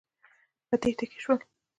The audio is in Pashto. په تېښته کې شول.